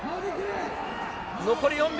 残り４秒。